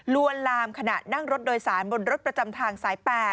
ลวนลามขณะนั่งรถโดยสารบนรถประจำทางสาย๘